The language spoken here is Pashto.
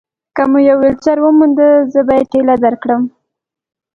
که مو یوه ویلچېر وموندله، زه به ټېله درکړم.